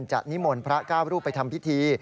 นิมนต์พระเก้ารูปไปทำพิธี